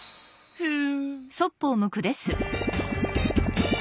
ふん！